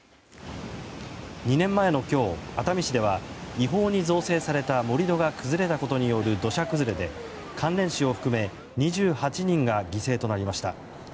２年前の今日、熱海市では違法に造成された盛り土が崩れたことによる土砂崩れで関連死を含め２８人が犠牲となりました。